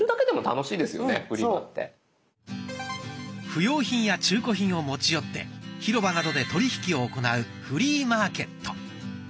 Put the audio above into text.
不要品や中古品を持ち寄って広場などで取り引きを行うフリーマーケット。